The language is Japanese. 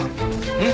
うん？